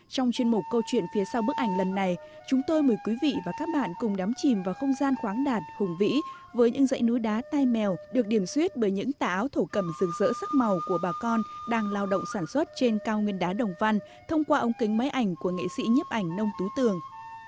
trong chuyên mục câu chuyện phía sau bức ảnh lần này chúng tôi mời quý vị và các bạn cùng đắm chìm vào không gian khoáng đạt hùng vĩ với những dãy núi đá tai mèo được điểm suyết bởi những tả áo thổ cầm rực rỡ sắc màu của bà con đang lao động sản xuất trên cao nguyên đá đồng văn thông qua ông kính máy ảnh của nghệ sĩ nhấp ảnh nông tú tường